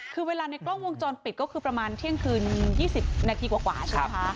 คือเวลาในกล้องวงจรปิดก็คือประมาณเที่ยงคืน๒๐นาทีกว่าใช่ไหมคะ